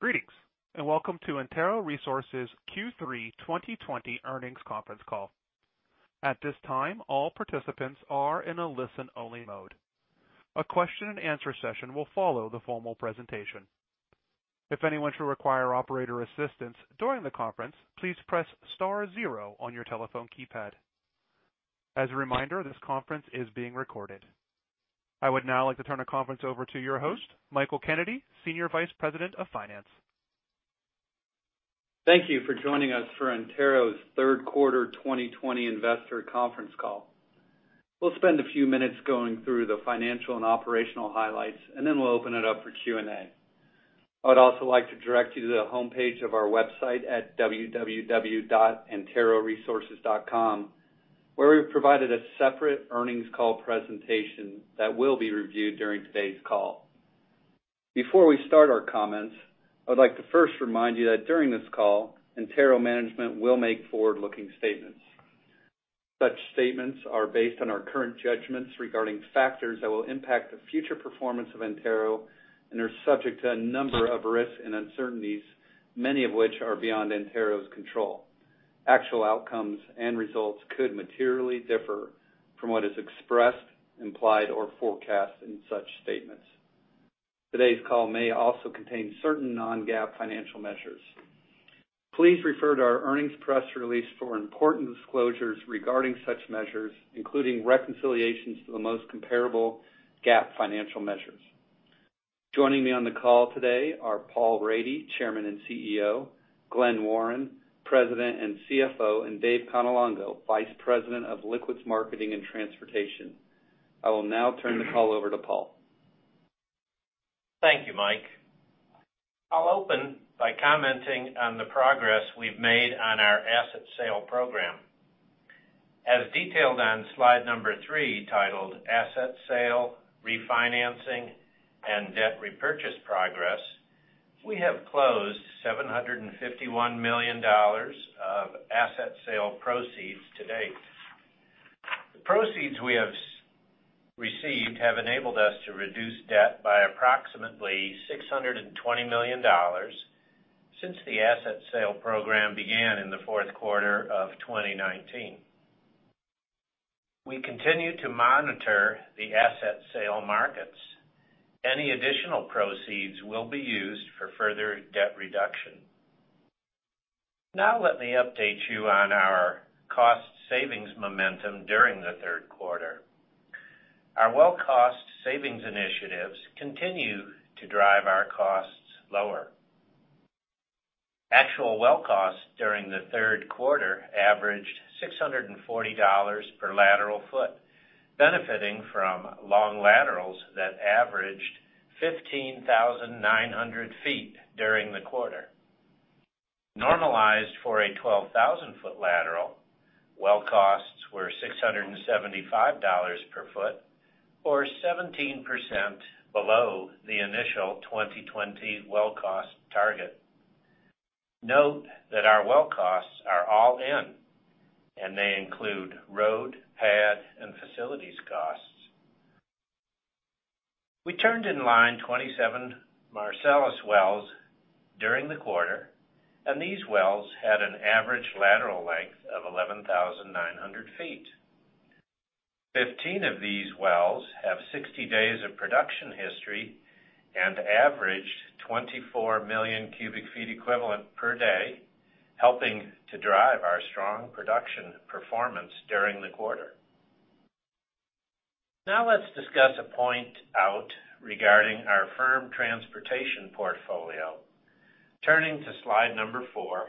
Greetings, welcome to Antero Resources' Q3 2020 earnings conference call. At this time, all participants are in a listen-only mode. A question and answer session will follow the formal presentation. If anyone should require operator assistance during the conference, please press star zero on your telephone keypad. As a reminder, this conference is being recorded. I would now like to turn the conference over to your host, Michael Kennedy, Senior Vice President of Finance. Thank you for joining us for Antero's third quarter 2020 investor conference call. We'll spend a few minutes going through the financial and operational highlights, and then we'll open it up for Q&A. I would also like to direct you to the homepage of our website at www.anteroresources.com, where we've provided a separate earnings call presentation that will be reviewed during today's call. Before we start our comments, I would like to first remind you that during this call, Antero management will make forward-looking statements. Such statements are based on our current judgments regarding factors that will impact the future performance of Antero and are subject to a number of risks and uncertainties, many of which are beyond Antero's control. Actual outcomes and results could materially differ from what is expressed, implied, or forecast in such statements. Today's call may also contain certain non-GAAP financial measures. Please refer to our earnings press release for important disclosures regarding such measures, including reconciliations to the most comparable GAAP financial measures. Joining me on the call today are Paul Rady, Chairman and CEO, Glen Warren, President and CFO, and Dave Cannelongo, Vice President of Liquids Marketing and Transportation. I will now turn the call over to Paul. Thank you, Mike. I'll open by commenting on the progress we've made on our asset sale program. As detailed on slide number three, titled Asset Sale, Refinancing and Debt Repurchase Progress, we have closed $751 million of asset sale proceeds to date. The proceeds we have received have enabled us to reduce debt by approximately $620 million since the asset sale program began in the fourth quarter of 2019. We continue to monitor the asset sale markets. Any additional proceeds will be used for further debt reduction. Now let me update you on our cost savings momentum during the third quarter. Our well cost savings initiatives continue to drive our costs lower. Actual well costs during the third quarter averaged $640 per lateral foot, benefiting from long laterals that averaged 15,900 ft during the quarter. Normalized for a 12,000 ft lateral, well costs were $675 per foot or 17% below the initial 2020 well cost target. Note that our well costs are all-in, and they include road, pad, and facilities costs. We turned in line 27 Marcellus wells during the quarter, and these wells had an average lateral length of 11,900 ft. 15 of these wells have 60 days of production history and averaged 24 million cubic feet equivalent per day, helping to drive our strong production performance during the quarter. Now let's discuss a point out regarding our firm transportation portfolio. Turning to slide number four,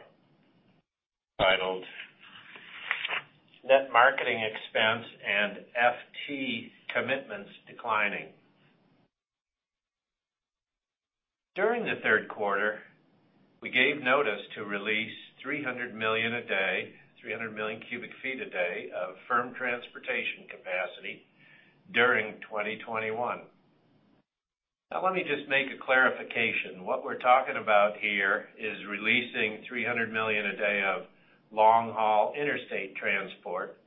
titled Net Marketing Expense and FT Commitments Declining. During the third quarter, we gave notice to release 300 million a day, 300 million cubic feet a day of firm transportation capacity during 2021. Now let me just make a clarification. What we're talking about here is releasing 300 million a day of long-haul interstate transport,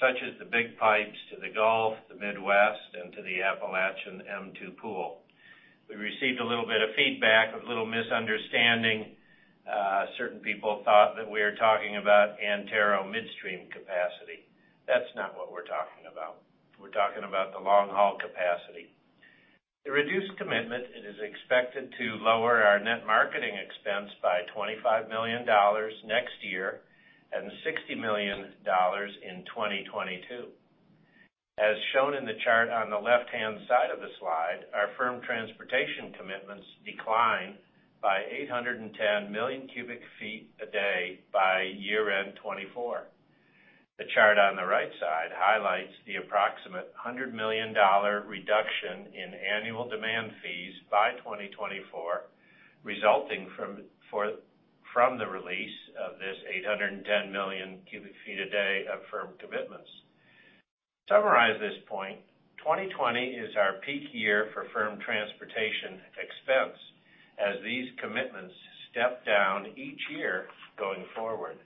such as the big pipes to the Gulf, the Midwest, and to the Appalachian M2 pool. We received a little bit of feedback, a little misunderstanding. Certain people thought that we were talking about Antero Midstream capacity. That's not what we're talking about. We're talking about the long-haul capacity. The reduced commitment is expected to lower our net marketing expense by $25 million next year and $60 million in 2022. As shown in the chart on the left-hand side of the slide, our firm transportation commitments decline by 810 million cubic feet a day by year-end 2024. The chart on the right side highlights the approximate $100 million reduction in annual demand fees by 2024 resulting from the release of this 810 million cubic feet a day of firm commitments. To summarize this point, 2020 is our peak year for firm transportation expense as these commitments step down each year going forward.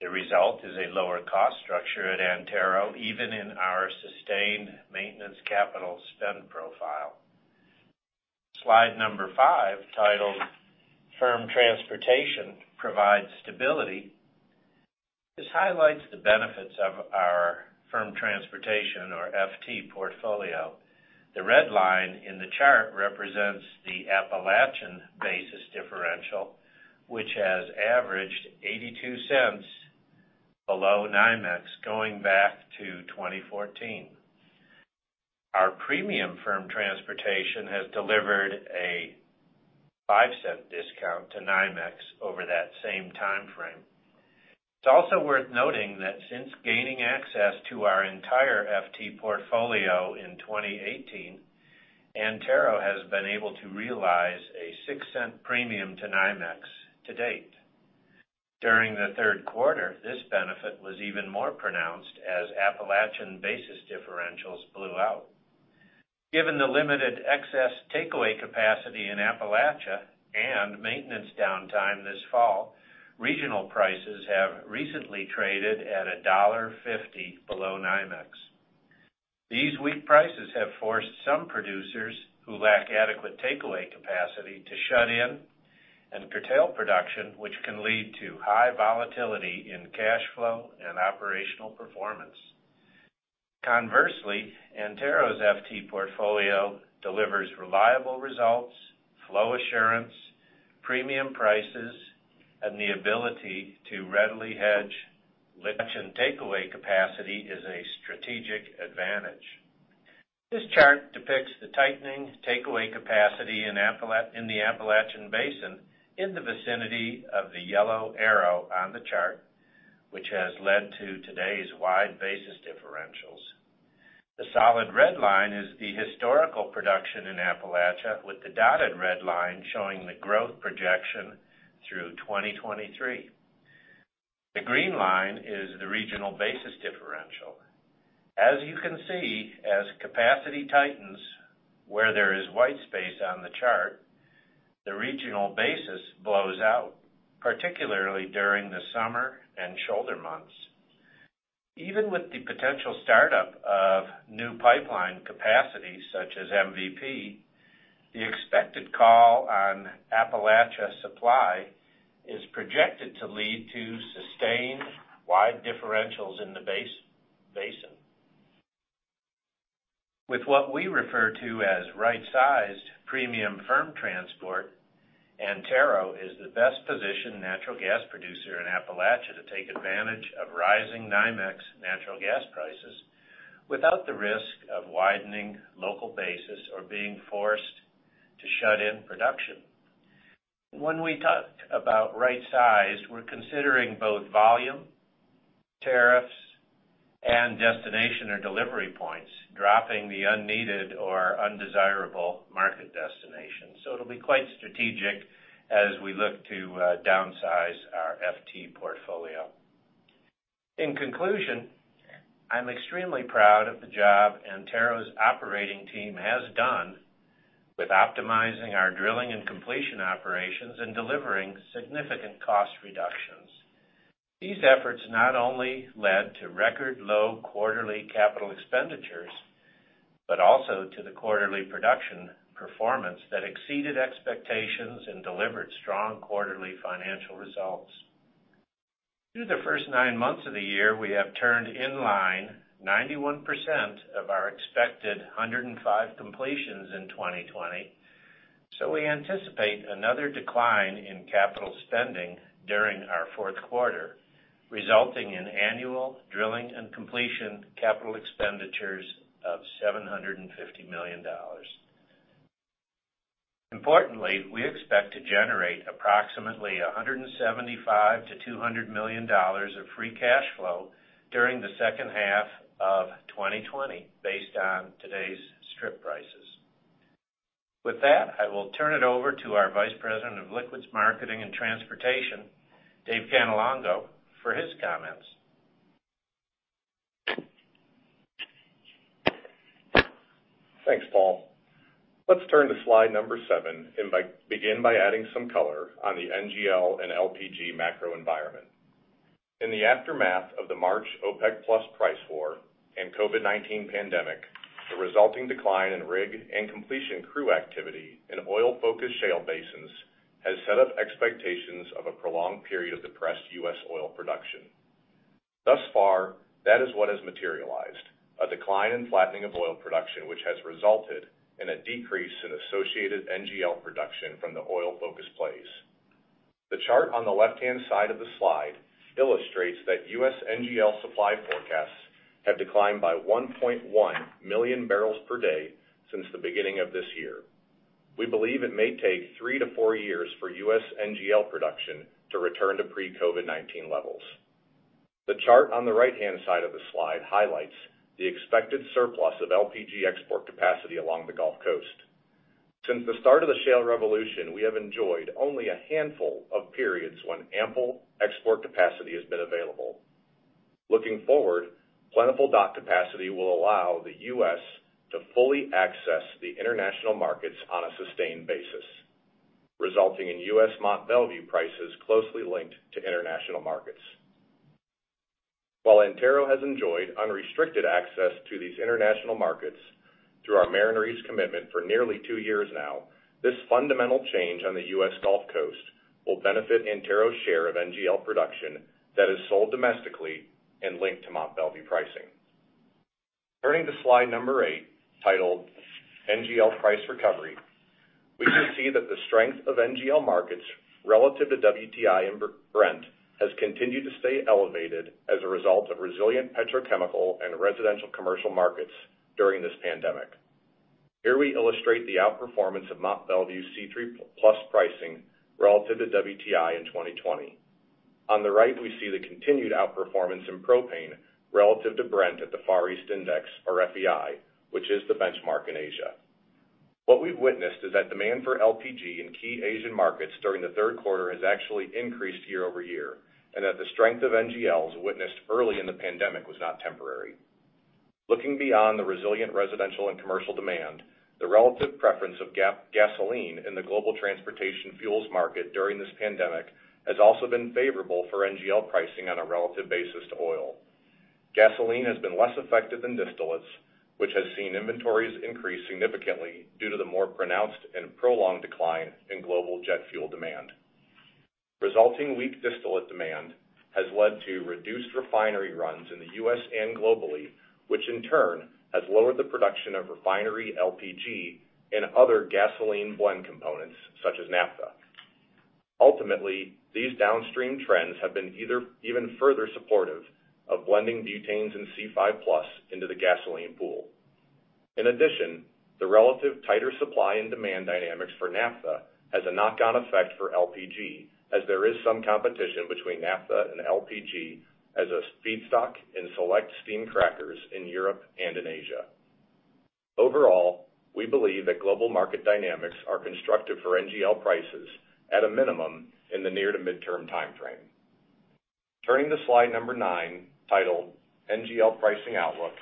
The result is a lower cost structure at Antero, even in our sustained maintenance capital spend profile. Slide number five, titled Firm Transportation Provides Stability. This highlights the benefits of our firm transportation, or FT portfolio. The red line in the chart represents the Appalachian basis differential, which has averaged $0.82 below NYMEX, going back to 2014. Our premium firm transportation has delivered a $0.05 discount to NYMEX over that same timeframe. It's also worth noting that since gaining access to our entire FT portfolio in 2018, Antero has been able to realize a $0.06 premium to NYMEX to date. During the third quarter, this benefit was even more pronounced as Appalachian basis differentials blew out. Given the limited excess takeaway capacity in Appalachia and maintenance downtime this fall, regional prices have recently traded at $1.50 below NYMEX. These weak prices have forced some producers who lack adequate takeaway capacity to shut in and curtail production, which can lead to high volatility in cash flow and operational performance. Conversely, Antero's FT portfolio delivers reliable results, flow assurance, premium prices, and the ability to readily hedge. Takeaway capacity is a strategic advantage. This chart depicts the tightening takeaway capacity in the Appalachian Basin in the vicinity of the yellow arrow on the chart, which has led to today's wide basis differentials. The solid red line is the historical production in Appalachia, with the dotted red line showing the growth projection through 2023. The green line is the regional basis differential. As you can see, as capacity tightens, where there is white space on the chart, the regional basis blows out, particularly during the summer and shoulder months. Even with the potential startup of new pipeline capacity, such as MVP, the expected call on Appalachia supply is projected to lead to sustained wide differentials in the basin. With what we refer to as right-sized premium firm transport, Antero is the best-positioned natural gas producer in Appalachia to take advantage of rising NYMEX natural gas prices without the risk of widening local basis or being forced to shut in production. When we talk about right-sized, we're considering both volume, tariffs, and destination or delivery points, dropping the unneeded or undesirable market destinations. It'll be quite strategic as we look to downsize our FT portfolio. In conclusion, I'm extremely proud of the job Antero's operating team has done with optimizing our drilling and completion operations and delivering significant cost reductions. These efforts not only led to record low quarterly capital expenditures, but also to the quarterly production performance that exceeded expectations and delivered strong quarterly financial results. Through the first nine months of the year, we have turned in line 91% of our expected 105 completions in 2020. We anticipate another decline in capital spending during our fourth quarter, resulting in annual drilling and completion capital expenditures of $750 million. Importantly, we expect to generate approximately $175 million-$200 million of free cash flow during the second half of 2020 based on today's strip prices. With that, I will turn it over to our Vice President of Liquids Marketing and Transportation, Dave Cannelongo, for his comments. Thanks, Paul. Let's turn to slide number seven and begin by adding some color on the NGL and LPG macro environment. In the aftermath of the March OPEC+ price war and COVID-19 pandemic, the resulting decline in rig and completion crew activity in oil-focused shale basins has set up expectations of a prolonged period of depressed U.S. oil production. Thus far, that is what has materialized: a decline in flattening of oil production, which has resulted in a decrease in associated NGL production from the oil-focused plays. The chart on the left-hand side of the slide illustrates that U.S. NGL supply forecasts have declined by 1.1 million barrels per day since the beginning of this year. We believe it may take three to four years for U.S. NGL production to return to pre-COVID-19 levels. The chart on the right-hand side of the slide highlights the expected surplus of LPG export capacity along the Gulf Coast. Since the start of the shale revolution, we have enjoyed only a handful of periods when ample export capacity has been available. Looking forward, plentiful dock capacity will allow the U.S. to fully access the international markets on a sustained basis, resulting in U.S. Mont Belvieu prices closely linked to international markets. While Antero has enjoyed unrestricted access to these international markets through our Mariner East commitment for nearly two years now, this fundamental change on the U.S. Gulf Coast will benefit Antero's share of NGL production that is sold domestically and linked to Mont Belvieu pricing. Turning to slide number eight, titled NGL Price Recovery, we can see that the strength of NGL markets relative to WTI and Brent has continued to stay elevated as a result of resilient petrochemical and residential commercial markets during this pandemic. Here we illustrate the outperformance of Mont Belvieu C3+ pricing relative to WTI in 2020. On the right, we see the continued outperformance in propane relative to Brent at the Far East Index, or FEI, which is the benchmark in Asia. What we've witnessed is that demand for LPG in key Asian markets during the third quarter has actually increased year-over-year, and that the strength of NGLs witnessed early in the pandemic was not temporary. Looking beyond the resilient residential and commercial demand, the relative preference of gasoline in the global transportation fuels market during this pandemic has also been favorable for NGL pricing on a relative basis to oil. Gasoline has been less affected than distillates, which has seen inventories increase significantly due to the more pronounced and prolonged decline in global jet fuel demand. Resulting weak distillate demand has led to reduced refinery runs in the U.S. and globally, which in turn has lowered the production of refinery LPG and other gasoline blend components such as naphtha. Ultimately, these downstream trends have been even further supportive of blending butanes and C5-plus into the gasoline pool. In addition, the relative tighter supply and demand dynamics for naphtha has a knock-on effect for LPG, as there is some competition between naphtha and LPG as a feedstock in select steam crackers in Europe and in Asia. Overall, we believe that global market dynamics are constructive for NGL prices at a minimum in the near to midterm timeframe. Turning to slide number nine, titled NGL Pricing Outlook,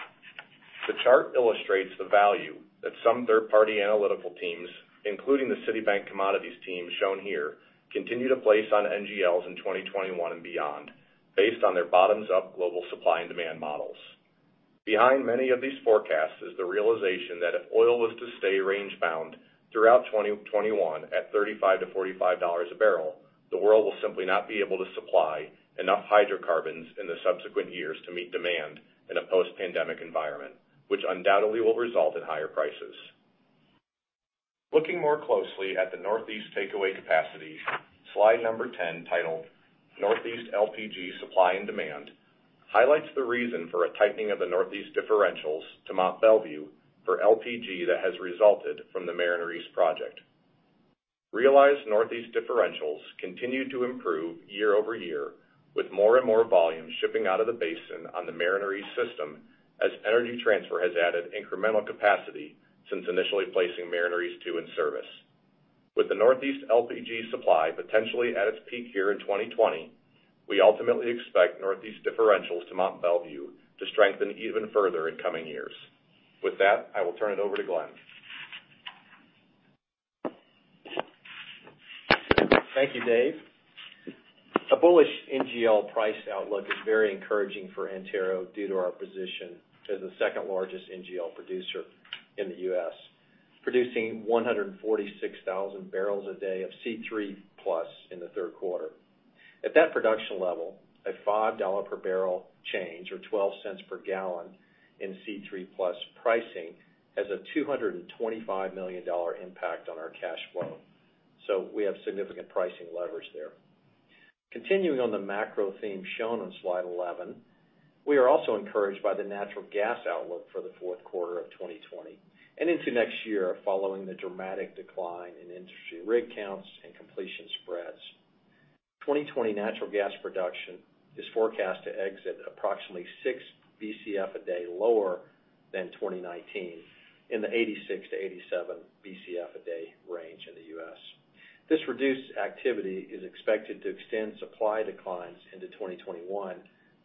the chart illustrates the value that some third-party analytical teams, including the Citi commodities team shown here, continue to place on NGLs in 2021 and beyond, based on their bottoms-up global supply and demand models. Behind many of these forecasts is the realization that if oil was to stay range-bound throughout 2021 at $35-$45 a barrel, the world will simply not be able to supply enough hydrocarbons in the subsequent years to meet demand in a post-pandemic environment, which undoubtedly will result in higher prices. Looking more closely at the Northeast takeaway capacity, slide number 10, titled Northeast LPG Supply and Demand, highlights the reason for a tightening of the Northeast differentials to Mont Belvieu for LPG that has resulted from the Mariner East project. Realized Northeast differentials continue to improve year-over-year with more and more volume shipping out of the basin on the Mariner East system as Energy Transfer has added incremental capacity since initially placing Mariner East 2 in service. With the Northeast LPG supply potentially at its peak here in 2020, we ultimately expect Northeast differentials to Mont Belvieu to strengthen even further in coming years. With that, I will turn it over to Glen. Thank you, Dave. A bullish NGL price outlook is very encouraging for Antero due to our position as the second-largest NGL producer in the U.S., producing 146,000 bbl/day of C3+ in the third quarter. At that production level, a $5 per barrel change or $0.12 per gallon in C3+ pricing has a $225 million impact on our cash flow. We have significant pricing leverage there. Continuing on the macro theme shown on slide 11, we are also encouraged by the natural gas outlook for the fourth quarter of 2020 and into next year following the dramatic decline in industry rig counts and completion spreads. 2020 natural gas production is forecast to exit approximately 6 Bcf/day lower than 2019, in the 86-87 Bcf/day range in the U.S. This reduced activity is expected to extend supply declines into 2021,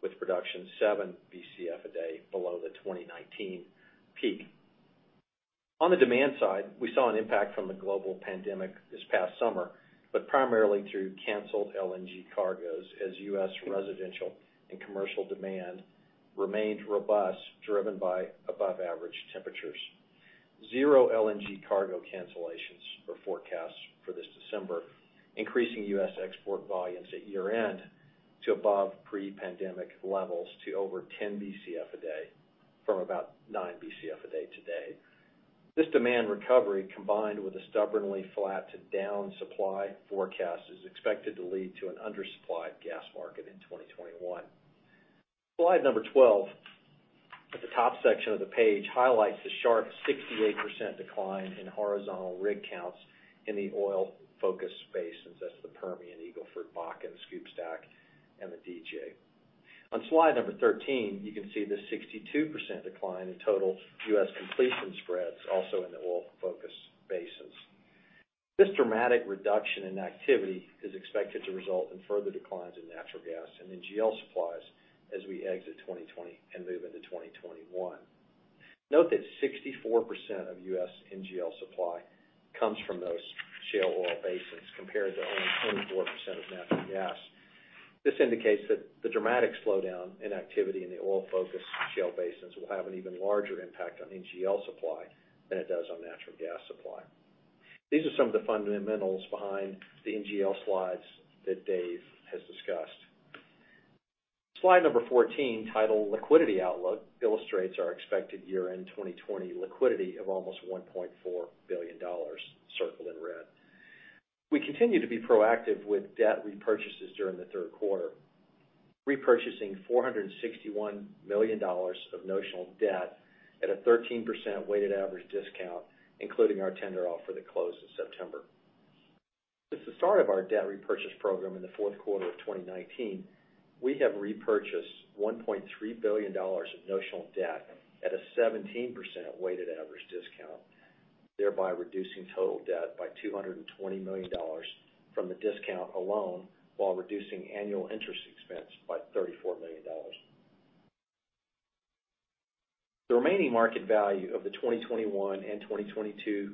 with production 7 Bcf/day below the 2019 peak. On the demand side, we saw an impact from the global pandemic this past summer, but primarily through canceled LNG cargoes as U.S. residential and commercial demand remained robust, driven by above-average temperatures. Zero LNG cargo cancellations are forecast for this December, increasing U.S. export volumes at year-end to above pre-pandemic levels to over 10 Bcf a day from about 9 Bcf a day to date. This demand recovery, combined with a stubbornly flat to down supply forecast, is expected to lead to an undersupplied gas market in 2021. Slide number 12 at the top section of the page highlights the sharp 68% decline in horizontal rig counts in the oil-focused basins. That's the Permian, Eagle Ford, Bakken, SCOOP/STACK, and the DJ. On slide number 13, you can see the 62% decline in total U.S. completion spreads also in the oil-focused basins. This dramatic reduction in activity is expected to result in further declines in natural gas and NGL supplies as we exit 2020 and move into 2021. Note that 64% of U.S. NGL supply comes from those shale oil basins, compared to only 24% of natural gas. This indicates that the dramatic slowdown in activity in the oil-focused shale basins will have an even larger impact on NGL supply than it does on natural gas supply. These are some of the fundamentals behind the NGL slides that Dave has discussed. Slide number 14, titled Liquidity Outlook, illustrates our expected year-end 2020 liquidity of almost $1.4 billion, circled in red. We continue to be proactive with debt repurchases during the third quarter, repurchasing $461 million of notional debt at a 13% weighted average discount, including our tender offer that closed in September. Since the start of our debt repurchase program in the fourth quarter of 2019, we have repurchased $1.3 billion of notional debt at a 17% weighted average discount, thereby reducing total debt by $220 million from the discount alone, while reducing annual interest expense by $34 million. The remaining market value of the 2021 and 2022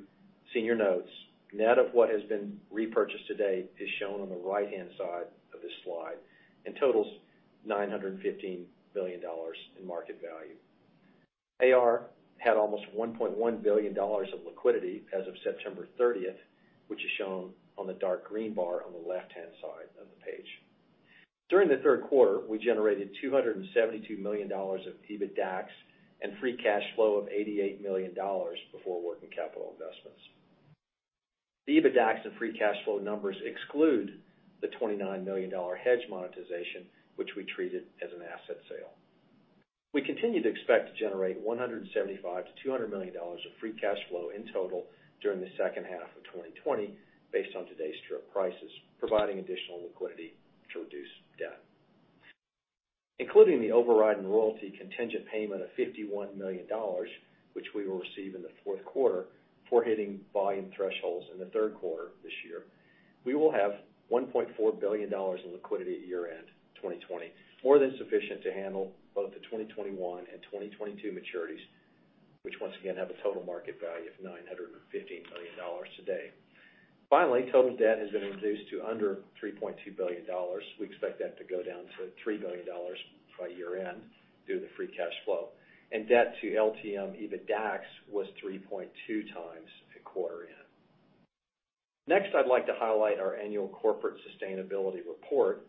senior notes, net of what has been repurchased to date, is shown on the right-hand side of this slide and totals $915 million in market value. AR had almost $1.1 billion of liquidity as of September 30th, which is shown on the dark green bar on the left-hand side of the page. During the third quarter, we generated $272 million of EBITDAX and free cash flow of $88 million before working capital investments. The EBITDAX and free cash flow numbers exclude the $29 million hedge monetization, which we treated as an asset sale. We continue to expect to generate $175 million-$200 million of free cash flow in total during the second half of 2020, based on today's strip prices, providing additional liquidity to reduce debt. Including the override and royalty contingent payment of $51 million, which we will receive in the fourth quarter for hitting volume thresholds in the third quarter this year, we will have $1.4 billion in liquidity at year-end 2020, more than sufficient to handle both the 2021 and 2022 maturities, which once again have a total market value of $915 million today. Finally, total debt has been reduced to under $3.2 billion. We expect that to go down to $3 billion by year-end through the free cash flow. Debt to LTM EBITDAX was 3.2x at quarter end. Next, I'd like to highlight our annual corporate sustainability report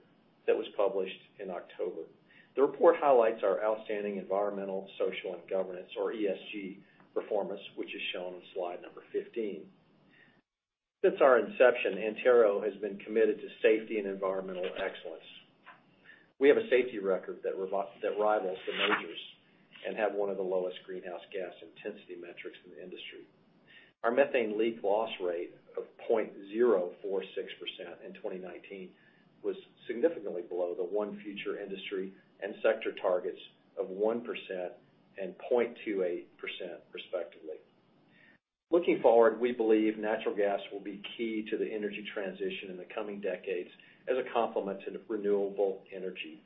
that was published in October. The report highlights our outstanding environmental, social, and governance, or ESG, performance, which is shown on slide number 15. Since our inception, Antero has been committed to safety and environmental excellence. We have a safety record that rivals the majors and have one of the lowest greenhouse gas intensity metrics in the industry. Our methane leak loss rate of 0.046% in 2019 was significantly below the ONE Future industry and sector targets of 1% and 0.28%, respectively. Looking forward, we believe natural gas will be key to the energy transition in the coming decades as a complement to renewable energy.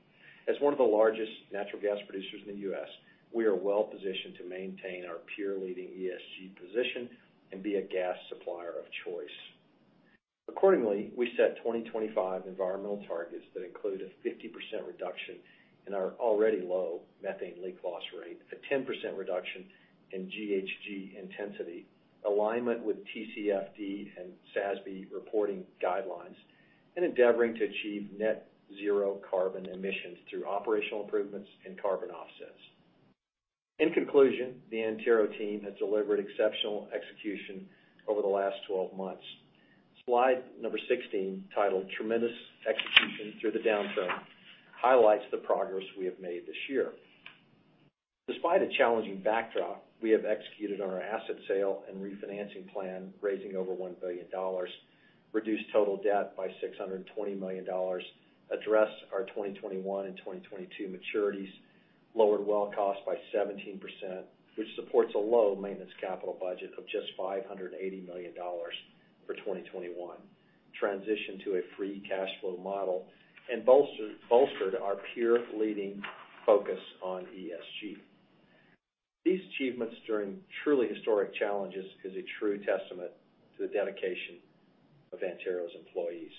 As one of the largest natural gas producers in the U.S., we are well-positioned to maintain our peer-leading ESG position and be a gas supplier of choice. Accordingly, we set 2025 environmental targets that include a 50% reduction in our already low methane leak loss rate, a 10% reduction in GHG intensity, alignment with TCFD and SASB reporting guidelines, and endeavoring to achieve net zero carbon emissions through operational improvements and carbon offsets. In conclusion, the Antero team has delivered exceptional execution over the last 12 months. Slide number 16, titled Tremendous Execution through the Downturn, highlights the progress we have made this year. Despite a challenging backdrop, we have executed on our asset sale and refinancing plan, raising over $1 billion, reduced total debt by $620 million, addressed our 2021 and 2022 maturities, lowered well cost by 17%, which supports a low maintenance capital budget of just $580 million for 2021, transition to a free cash flow model, and bolstered our peer-leading focus on ESG. These achievements during truly historic challenges is a true testament to the dedication of Antero's employees.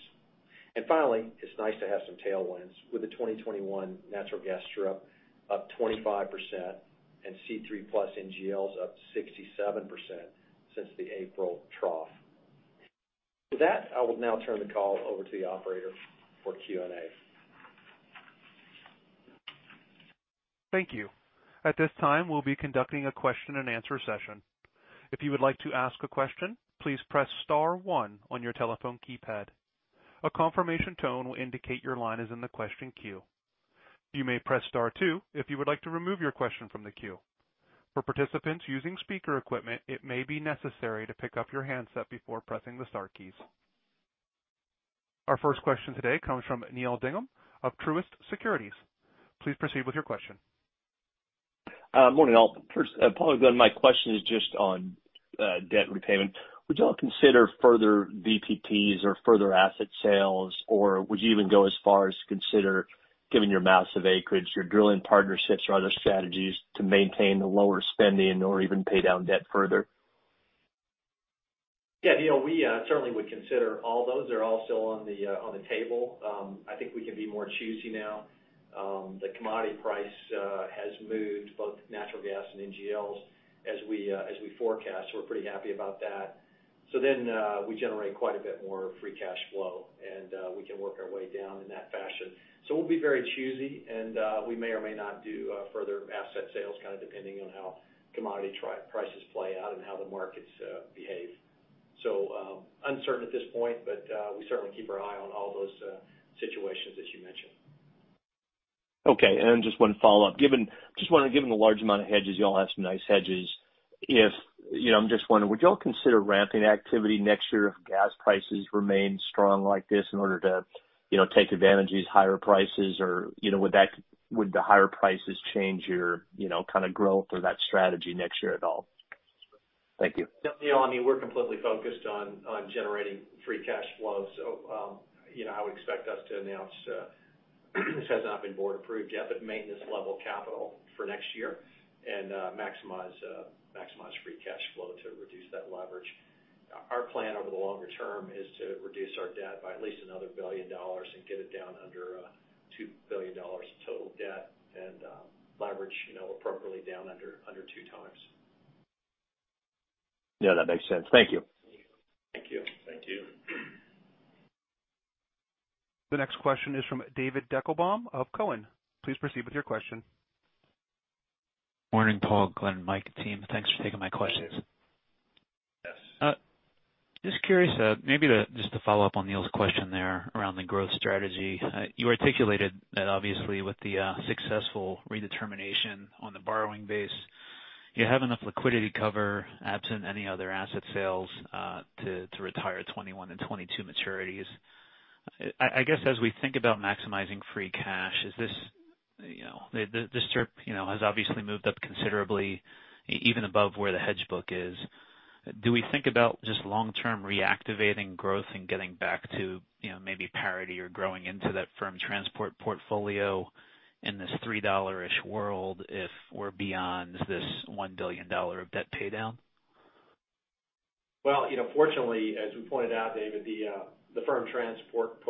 Finally, it's nice to have some tailwinds with the 2021 natural gas strip up 25% and C3+ NGLs up 67% since the April trough. With that, I will now turn the call over to the operator for Q&A. Thank you. At this time, we'll be conducting a question and answer session. If you would like to ask a question, please press star one on your telephone keypad. A confirmation tone will indicate your line is in the question queue. You may press star two if you would like to remove your question from the queue. For participants using speaker equipment, it may be necessary to pick up your handset before pressing the star keys. Our first question today comes from Neal Dingmann of Truist Securities. Please proceed with your question. Morning, all. First, Paul, my question is just on debt repayment. Would you all consider further VPPs or further asset sales, or would you even go as far as to consider, given your massive acreage, your drilling partnerships or other strategies to maintain the lower spending or even pay down debt further? Yeah, Neal, we certainly would consider all those. They're all still on the table. I think we can be more choosy now. The commodity price has moved both natural gas and NGLs as we forecast. We're pretty happy about that. We generate quite a bit more free cash flow, and we can work our way down in that fashion. We'll be very choosy, and we may or may not do further asset sales, kind of depending on how commodity prices play out and how the markets behave. Uncertain at this point, but we certainly keep our eye on all those situations that you mentioned. Okay, just one follow-up. Given the large amount of hedges, you all have some nice hedges. I'm just wondering, would you all consider ramping activity next year if gas prices remain strong like this in order to take advantage of these higher prices? Would the higher prices change your kind of growth or that strategy next year at all? Thank you. Neal, we're completely focused on generating free cash flow. I would expect us to announce, this has not been board approved yet, but maintenance level capital for next year and maximize free cash flow to reduce that leverage. Our plan over the longer term is to reduce our debt by at least another $1 billion and get it down under $2 billion total debt and leverage appropriately down under two times. Yeah, that makes sense. Thank you. Thank you. Thank you. The next question is from David Deckelbaum of Cowen. Please proceed with your question. Morning, Paul, Glen, Mike team. Thanks for taking my questions. Yes. Just curious, maybe just to follow up on Neal's question there around the growth strategy. You articulated that obviously with the successful redetermination on the borrowing base, you have enough liquidity cover absent any other asset sales to retire 2021 and 2022 maturities. I guess, as we think about maximizing free cash, the strip has obviously moved up considerably, even above where the hedge book is. Do we think about just long-term reactivating growth and getting back to maybe parity or growing into that firm transport portfolio in this three-dollar-ish world if we're beyond this $1 billion of debt paydown? Well, fortunately, as we pointed out, David, the firm transport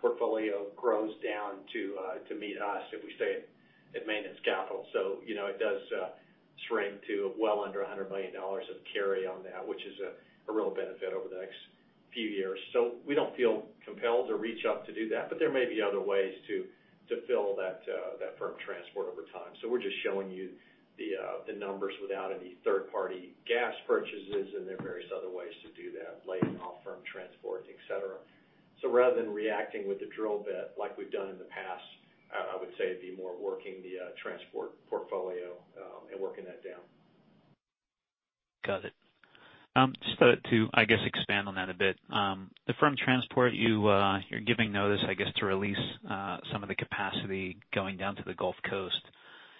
portfolio grows down to meet us if we stay at maintenance capital. It does shrink to well under $100 million of carry on that, which is a real benefit over the next few years. We don't feel compelled to reach up to do that, but there may be other ways to fill that firm transport over time. We're just showing you the numbers without any third-party gas purchases, and there are various other ways to do that, laying off firm transport, et cetera. Rather than reacting with the drill bit like we've done in the past, I would say it'd be more working the transport portfolio and working that down. Got it. Just to, I guess, expand on that a bit. The firm transport, you're giving notice, I guess, to release some of the capacity going down to the Gulf Coast.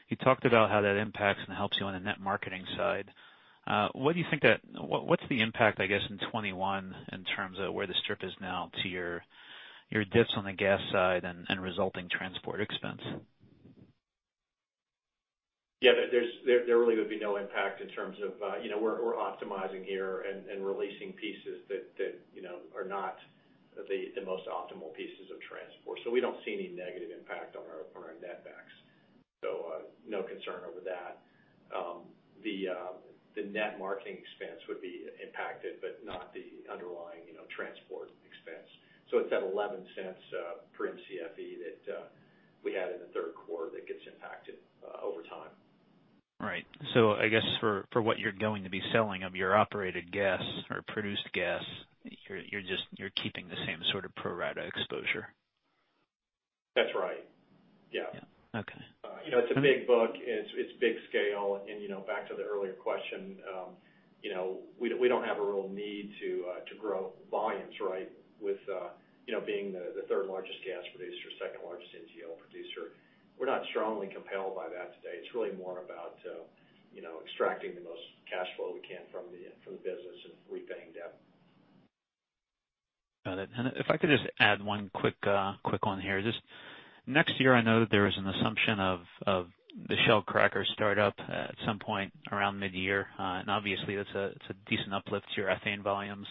You talked about how that impacts and helps you on the net marketing side. What's the impact, I guess, in 2021 in terms of where the strip is now to your dips on the gas side and resulting transport expense? There really would be no impact. We're optimizing here and releasing pieces that are not the most optimal pieces of transport. We don't see any negative impact on our net backs. No concern over that. The net marketing expense would be impacted, but not the underlying transport expense. It's that $0.11 per MCFE that we had in the third quarter that gets impacted over time. Right. I guess for what you're going to be selling of your operated gas or produced gas, you're keeping the same sort of pro rata exposure. That's right. Yeah. Yeah. Okay. It's a big book, and it's big scale. Back to the earlier question, we don't have a real need to grow volumes, right? With being the third largest gas producer, second largest NGL producer, we're not strongly compelled by that today. It's really more about extracting the most cash flow we can from the business and repaying debt. Got it. If I could just add one quick one here. Next year, I know that there is an assumption of the Shell cracker start up at some point around mid-year. Obviously that's a decent uplift to your ethane volumes.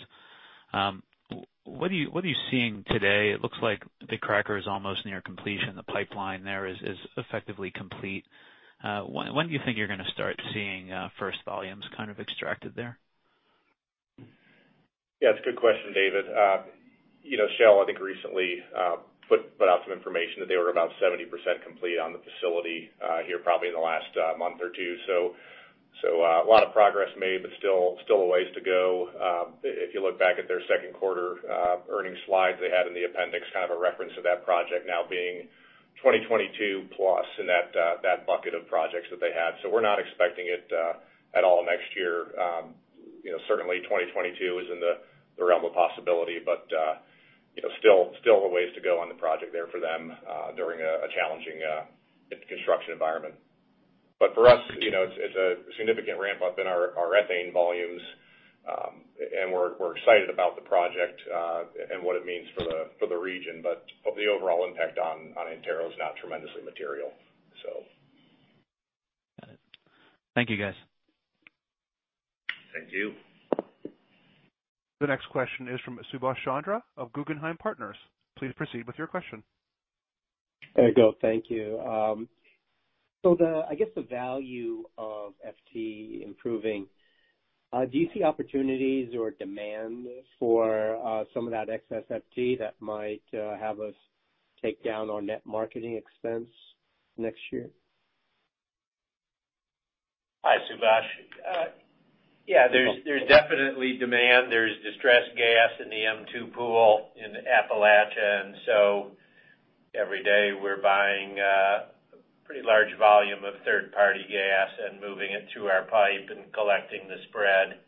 What are you seeing today? It looks like the cracker is almost near completion. The pipeline there is effectively complete. When do you think you're going to start seeing first volumes kind of extracted there? Yeah, it's a good question, David. Shell, I think recently put out some information that they were about 70% complete on the facility here probably in the last month or two. A lot of progress made, but still a ways to go. If you look back at their second quarter earnings slides they had in the appendix kind of a reference to that project now being 2022 plus in that bucket of projects that they had. We're not expecting it at all next year. Certainly 2022 is in the realm of possibility, but still a ways to go on the project there for them during a challenging construction environment. For us, it's a significant ramp-up in our ethane volumes, and we're excited about the project and what it means for the region. The overall impact on Antero is not tremendously material. Got it. Thank you, guys. Thank you. The next question is from Subash Chandra of Guggenheim Partners. Please proceed with your question. There you go. Thank you. I guess the value of FT improving, do you see opportunities or demand for some of that excess FT that might have us take down our net marketing expense next year? Hi, Subash. Yeah, there's definitely demand. There's distressed gas in the M2 pool in Appalachia, and so every day we're buying a pretty large volume of third-party gas and moving it through our pipe and collecting the spread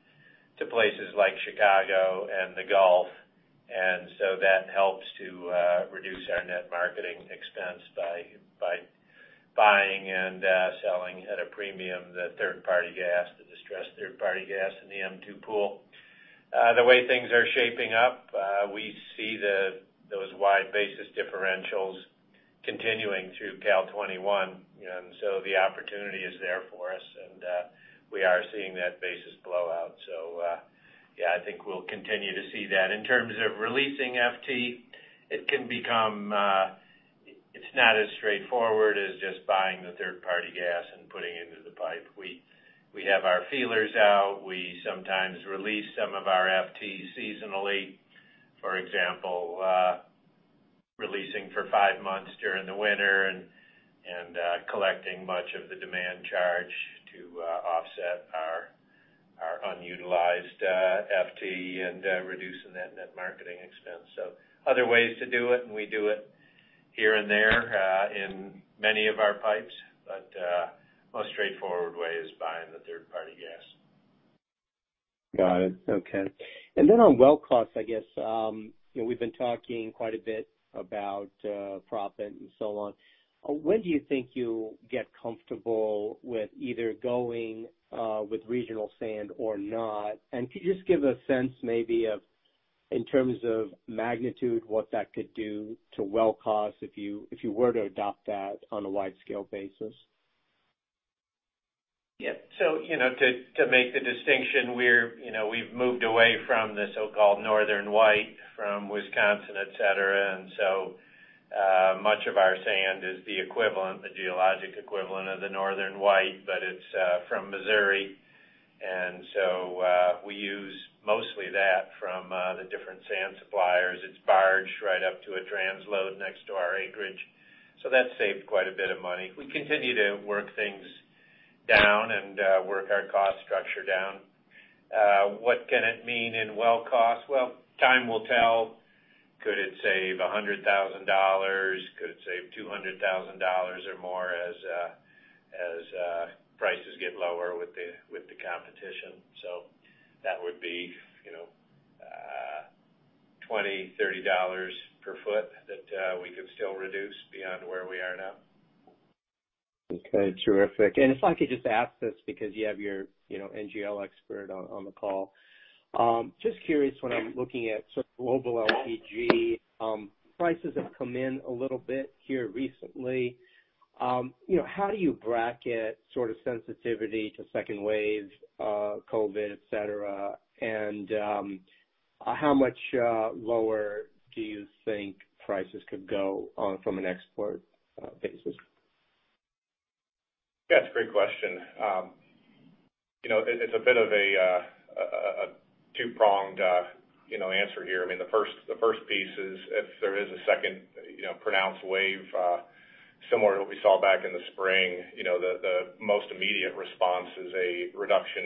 to places like Chicago and the Gulf. That helps to reduce our net marketing expense by buying and selling at a premium the third-party gas, the distressed third-party gas in the M2 pool. The way things are shaping up, we see those wide basis differentials continuing through cal 2021. The opportunity is there for us, and we are seeing that basis blowout. Yeah, I think we'll continue to see that. In terms of releasing FT, it's not as straightforward as just buying the third-party gas and putting into the pipe. We have our feelers out. We sometimes release some of our FT seasonally. For example, releasing for five months during the winter and collecting much of the demand charge to offset our unutilized FT and reducing that net marketing expense. Other ways to do it, and we do it here and there in many of our pipes, but most straightforward way is buying the third-party gas. Got it. Okay. On well costs, I guess, we've been talking quite a bit about proppant and so on. When do you think you'll get comfortable with either going with regional sand or not? Could you just give a sense maybe of, in terms of magnitude, what that could do to well costs if you were to adopt that on a wide-scale basis? To make the distinction, we've moved away from the so-called Northern White from Wisconsin, et cetera. Much of our sand is the geologic equivalent of the Northern White, but it's from Missouri. We use mostly that from the different sand suppliers. It's barged right up to a transload next to our acreage. That saved quite a bit of money. We continue to work things down and work our cost structure down. What can it mean in well cost? Well, time will tell. Could it save $100,000? Could it save $200,000 or more as prices get lower with the competition? That would be $20, $30 per foot that we could still reduce beyond where we are now. Okay. Terrific. If I could just ask this because you have your NGL expert on the call. Just curious, when I'm looking at sort of global LPG, prices have come in a little bit here recently. How do you bracket sort of sensitivity to second wave COVID, et cetera, and how much lower do you think prices could go from an export basis? Yeah, that's a great question. It's a bit of a two-pronged answer here. The first piece is if there is a second pronounced wave, similar to what we saw back in the spring, the most immediate response is a reduction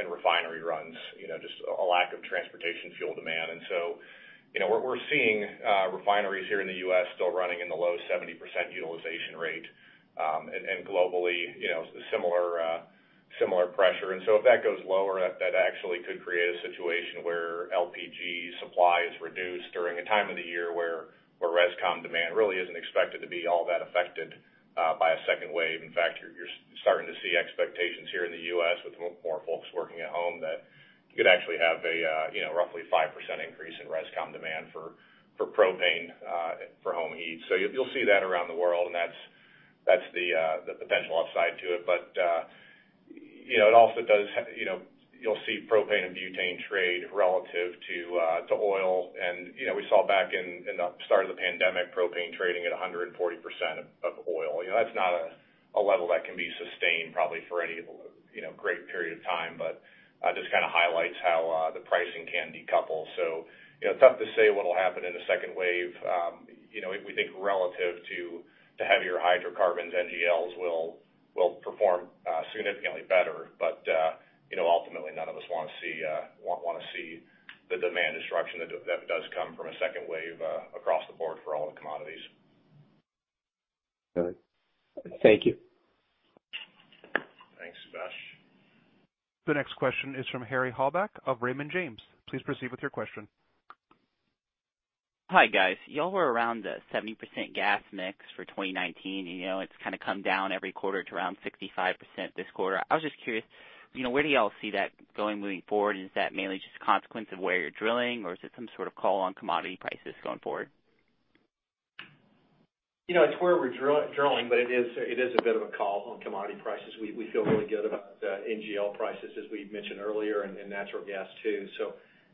in refinery runs. Just a lack of transportation fuel demand. We're seeing refineries here in the U.S. still running in the low 70% utilization rate. Globally, similar pressure. If that goes lower, that actually could create a situation where LPG supply is reduced during a time of the year where rescom demand really isn't expected to be all that affected by a second wave. In fact, you're starting to see expectations here in the U.S. with more folks working at home that you could actually have a roughly 5% increase in rescom demand for propane for home heat. You'll see that around the world, and that's the potential upside to it. You'll see propane and butane trade relative to oil. We saw back in the start of the pandemic, propane trading at 140% of oil. That's not a level that can be sustained probably for any great period of time, but just kind of highlights how the pricing can decouple. It's tough to say what'll happen in a second wave. We think relative to heavier hydrocarbons, NGLs will perform significantly better. Ultimately none of us want to see the demand destruction that does come from a second wave across the board for all the commodities. Got it. Thank you. Thanks, Subash. The next question is from Harry Halbach of Raymond James. Please proceed with your question. Hi, guys. You all were around the 70% gas mix for 2019, and it's kind of come down every quarter to around 65% this quarter. I was just curious, where do you all see that going moving forward? Is that mainly just a consequence of where you're drilling, or is it some sort of call on commodity prices going forward? It's where we're drilling. It is a bit of a call on commodity prices. We feel really good about the NGL prices, as we mentioned earlier, and natural gas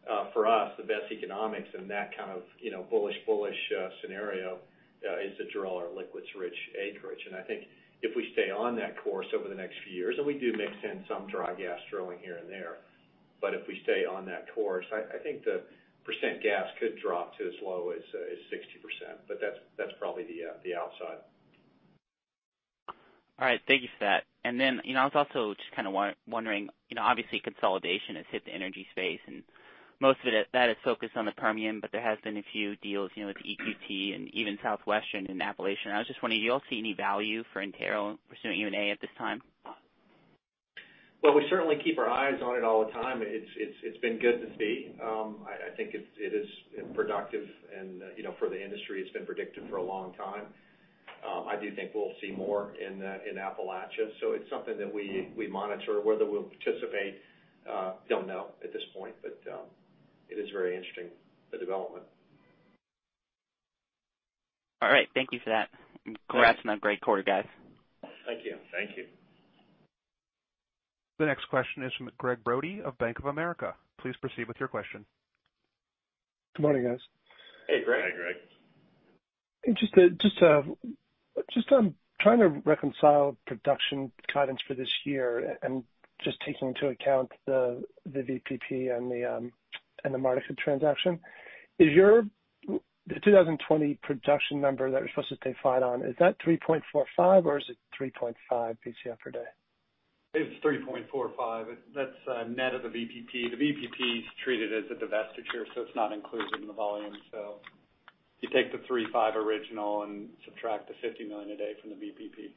too. For us, the best economics and that kind of bullish scenario is to drill our liquids-rich acreage. I think if we stay on that course over the next few years, and we do mix in some dry gas drilling here and there, but if we stay on that course, I think the percent gas could drop to as low as 60%, but that's probably the outside. All right. Thank you for that. I was also just kind of wondering, obviously consolidation has hit the energy space, and most of that is focused on the premium, but there have been a few deals with EQT and even Southwestern in Appalachia. I was just wondering, do you all see any value for Antero pursuing M&A at this time? Well, we certainly keep our eyes on it all the time. It's been good to see. I think it is productive, and for the industry, it's been predicted for a long time. I do think we'll see more in Appalachia. It's something that we monitor. Whether we'll participate, don't know at this point, but it is very interesting, the development. All right. Thank you for that. Yeah. Congrats on a great quarter, guys. Thank you. Thank you. The next question is from Gregg Brody of Bank of America. Please proceed with your question. Good morning, guys. Hey, Gregg. Hey, Gregg. Just trying to reconcile production guidance for this year and just taking into account the VPP and the Martica transaction. Is your 2020 production number that we're supposed to stay flat on, is that 3.45 or is it 3.5 Bcf per day? It's 3.45. That's net of the VPP. The VPP is treated as a divestiture, it's not included in the volume. You take the 3.5 original and subtract the 50 million a day from the VPP.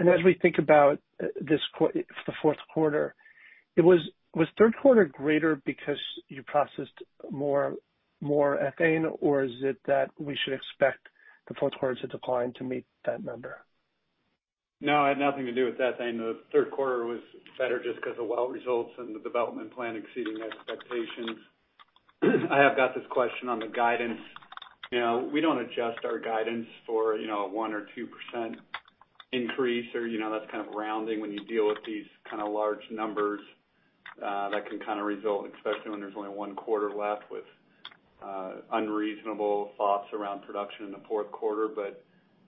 As we think about the fourth quarter, was third quarter greater because you processed more ethane, or is it that we should expect the fourth quarter to decline to meet that number? No, it had nothing to do with ethane. The third quarter was better just because of well results and the development plan exceeding expectations. I have got this question on the guidance. We don't adjust our guidance for a 1% or 2% increase or that's kind of rounding when you deal with these kind of large numbers. That can result, especially when there's only one quarter left, with unreasonable thoughts around production in the fourth quarter.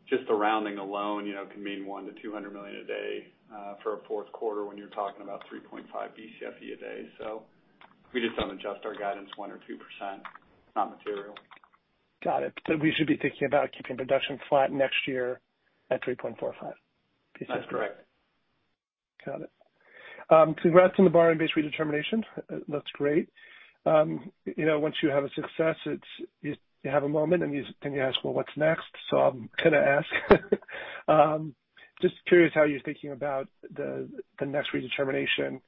Just the rounding alone can mean 1 million-200 million a day for a fourth quarter when you're talking about 3.5 Bcf a day. We just don't adjust our guidance 1% or 2%. It's not material. Got it. We should be thinking about keeping production flat next year at 3.45 Bcf. That's correct. Got it. Congrats on the borrowing base redetermination. That's great. Once you have a success, you have a moment, and you ask, "Well, what's next?" I'm going to ask. Just curious how you're thinking about the next redetermination.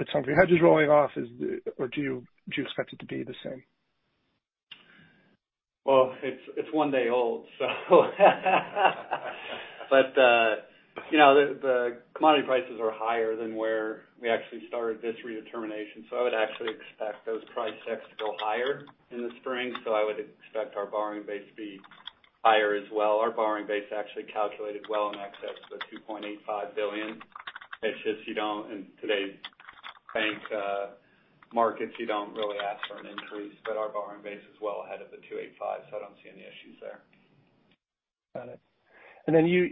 With some of your hedges rolling off, or do you expect it to be the same? Well, it's one day old. The commodity prices are higher than where we actually started this redetermination. I would actually expect those price checks to go higher in the spring. I would expect our borrowing base to be higher as well. Our borrowing base actually calculated well in excess of the $2.85 billion. It's just you don't, in today's bank markets, you don't really ask for an increase. Our borrowing base is well ahead of the 2.85, so I don't see any issues there. Got it. You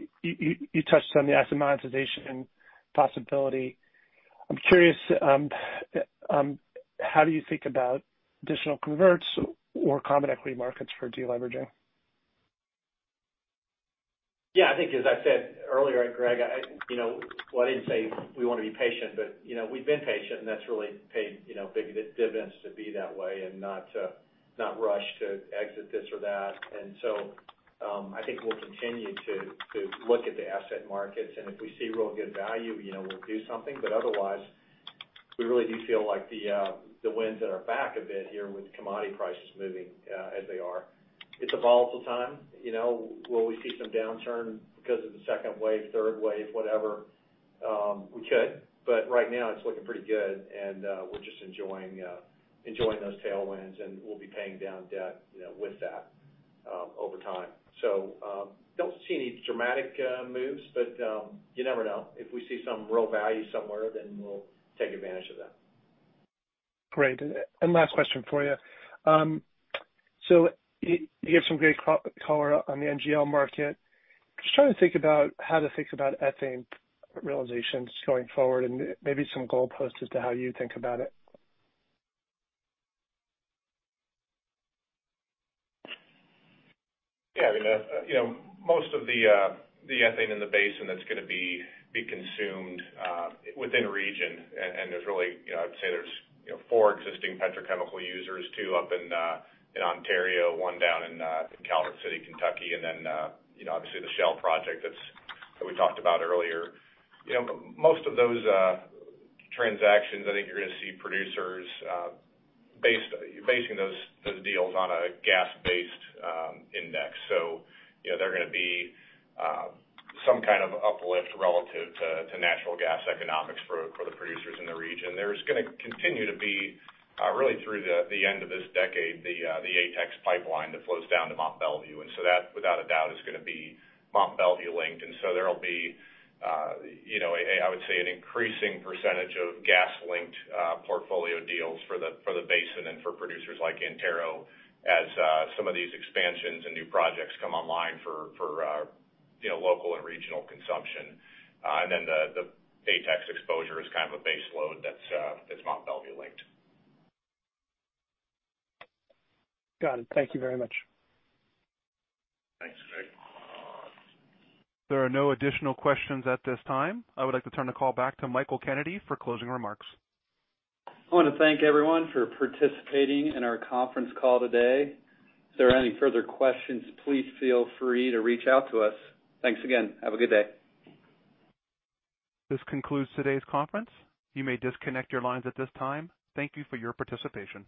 touched on the asset monetization possibility. I'm curious, how do you think about additional converts or common equity markets for de-leveraging? I think as I said earlier, Greg, well, I didn't say we want to be patient, but we've been patient, and that's really paid big dividends to be that way and not rush to exit this or that. I think we'll continue to look at the asset markets, and if we see real good value, we'll do something. Otherwise, we really do feel like the winds at our back a bit here with commodity prices moving as they are. It's a volatile time. Will we see some downturn because of the second wave, third wave, whatever? We could. Right now, it's looking pretty good, and we're just enjoying those tailwinds, and we'll be paying down debt with that over time. Don't see any dramatic moves, but you never know. If we see some real value somewhere, then we'll take advantage of that. Great. Last question for you. You gave some great color on the NGL market. Just trying to think about how to think about ethane realizations going forward, and maybe some goalposts as to how you think about it. Yeah. Most of the ethane in the basin, that's going to be consumed within region, and there's really, I would say there's four existing petrochemical users, two up in Ontario, one down in Calvert City, Kentucky, and then obviously the Shell project that we talked about earlier. Most of those transactions, I think you're going to see producers basing those deals on a gas-based index. They're going to be some kind of uplift relative to natural gas economics for the producers in the region. There's going to continue to be, really through the end of this decade, the ATEX pipeline that flows down to Mont Belvieu. That, without a doubt, is going to be Mont Belvieu-linked. There'll be, I would say, an increasing percentage of gas-linked portfolio deals for the basin and for producers like Antero as some of these expansions and new projects come online for local and regional consumption. The ATEX exposure is kind of a base load that's Mont Belvieu-linked. Got it. Thank you very much. Thanks, Greg. There are no additional questions at this time. I would like to turn the call back to Michael Kennedy for closing remarks. I want to thank everyone for participating in our conference call today. If there are any further questions, please feel free to reach out to us. Thanks again. Have a good day. This concludes today's conference. You may disconnect your lines at this time. Thank you for your participation.